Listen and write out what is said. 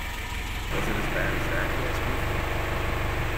“Was it as bad as that?” he asked ruefully.